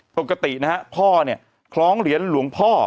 ปกตินะฮะพ่อเนี่ยคล้องเหรียญหลวงพ่อ